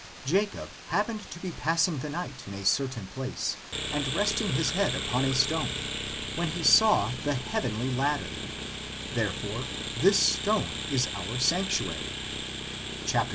Jacob happened to be pass ing the night in a certain place and resting his head upon a stone when he saw the heavenly ladder; therefore this stone is our sanctuary (xxviii.